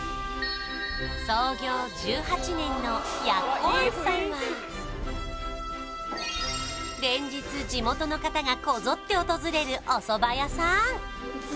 創業１８年の奴庵さんは連日地元の方がこぞって訪れるおそば屋さん